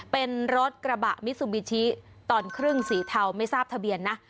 เป็นรถกระบะมิซูบิชิตอนครึ่งสีเทาไม่ทราบทะเบียนนะ